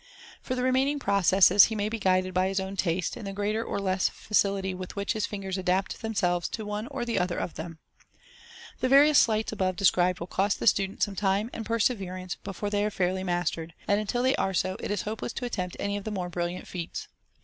For the remaining processes he may be guided by his own taste, and the greater or less facility with which his fingers adapt themselves to one or the other of them. MODERN MAGIC. M The various sleights above described will cost the student some time and perseverance before they are fairly mastered, and until they are so it is hopeless to attempt any of the more brilliant feats.